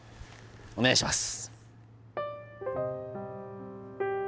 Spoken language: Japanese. お願いします